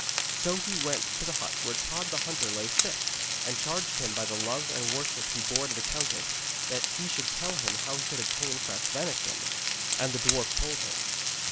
So he went to the hut where Tod the hunter lay sick, and charged him by the love and worship he bore to the countess, that he should tell him how he could obtain fresh venison. And the dwarf told him.